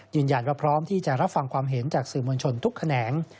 พร้อมที่จะรับฟังความเห็นจากสื่อมวลชนทุกแขนง